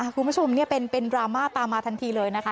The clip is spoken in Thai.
คุณผู้ชมเป็นดราม่าตามมาทันทีเลยนะคะ